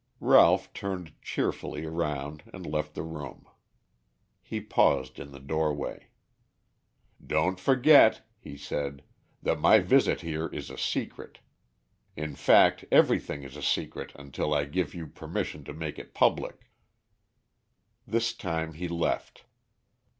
Ralph turned cheerfully round and left the room. He paused in the doorway. "Don't forget," he said, "that my visit here is a secret. In fact, everything is a secret until I give you permission to make it public." This time he left.